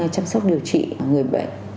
chăm sóc điều trị người bệnh